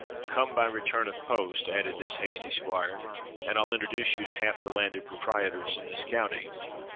"Come by return of post," added this hasty squire, "and I'll introduce you to half the landed proprietors in this county."